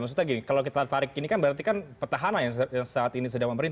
maksudnya gini kalau kita tarik ini kan berarti kan petahana yang saat ini sedang memerin